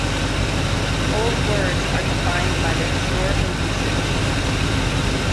Old words are defined by their historical usage.